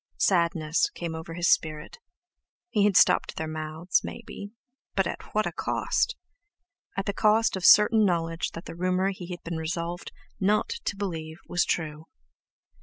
Sadness came over his spirit. He had stopped their mouths, maybe, but at what a cost! At the cost of certain knowledge that the rumour he had been resolved not to believe was true.